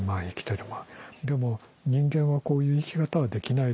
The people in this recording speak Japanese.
でも人間はこういう生き方はできないだろう。